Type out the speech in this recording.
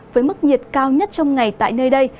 với mức nhiệt cao nhất trong ngày tại nơi đây